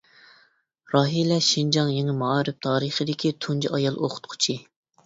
راھىلە شىنجاڭ يېڭى مائارىپ تارىخىدىكى تۇنجى ئايال ئوقۇتقۇچى.